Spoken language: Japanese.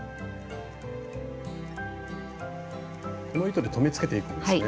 この糸で留めつけていくんですね。